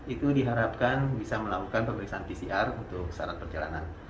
itu diharapkan bisa melakukan pemeriksaan pcr untuk syarat perjalanan